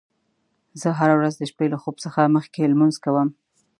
زه هره ورځ د شپې له خوب څخه مخکې لمونځ کوم